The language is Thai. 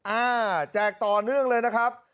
แจกต่อเนื่องเลยนะครับ